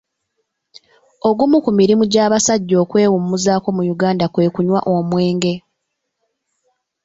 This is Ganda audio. Ogumu ku mirimu gy'abasajja okwewummuzaako mu Uganda kwe kunywa omwenge.